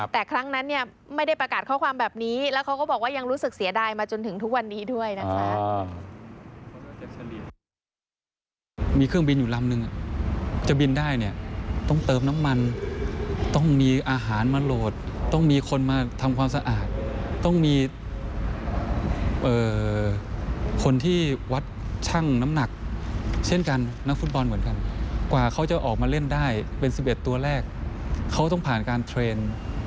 แต่ครั้งนั้นเนี่ยไม่ได้ประกาศข้อความแบบนี้แล้วเขาก็บอกว่ายังรู้สึกเสียดายมาจนถึงทุกวันนี้ด้วยนะคะ